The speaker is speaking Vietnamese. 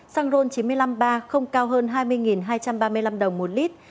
xăng ron chín mươi năm ba không cao hơn hai mươi hai trăm ba mươi năm đồng một lit